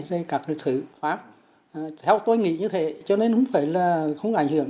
thì các thứ khác theo tôi nghĩ như thế cho nên không phải là không ảnh hưởng